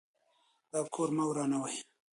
دا کور مه ورانوئ.